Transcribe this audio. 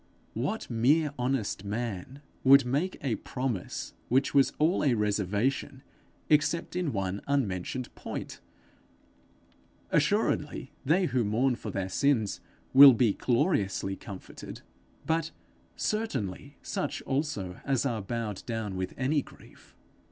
What mere honest man would make a promise which was all a reservation, except in one unmentioned point! Assuredly they who mourn for their sins will be gloriously comforted, but certainly such also as are bowed down with any grief.